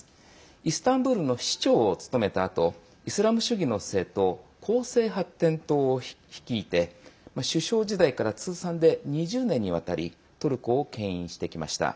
イスタンブールの市長を務めたあとイスラム主義の政党公正発展党を率いて首相時代から通算で２０年にわたりトルコをけん引してきました。